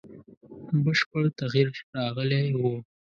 بشپړ تغییر راغلی وو.